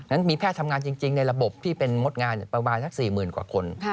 นั้นมีแพทย์ทำงานจริงในระบบที่เป็นมดงานประมาณสัก๔๐๐๐กว่าคน